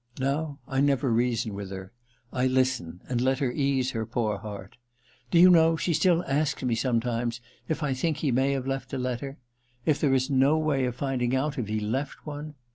Now I never reason with her ; I listen, and let her ease her poor heart. Do you know, she still asks me sometimes if I think he may have left a letter — if there is no way of finding out if he left one